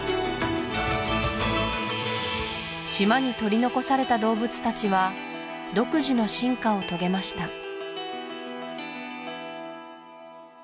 島に取り残された動物たちは独自の進化を遂げました